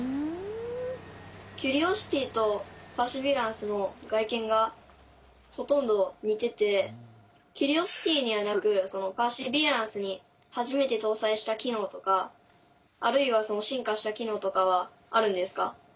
キュリオシティとパーシビアランスの外見がほとんど似ててキュリオシティにはなくパーシビアランスに初めて搭載した機能とかあるいはその進化した機能とかはあるんですか？